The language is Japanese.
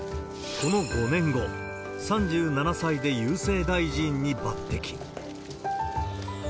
この５年後、３７歳で郵政大臣に抜てき。